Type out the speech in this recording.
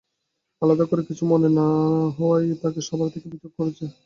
আলাদা করে কিছু মনে না হওয়াই তাঁকে সবার থেকে পৃথক করেছে।